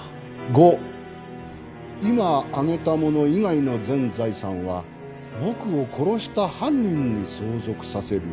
「五今挙げたもの以外の全財産は僕を殺した犯人に相続させる」